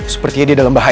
sepertinya dia dalam bahaya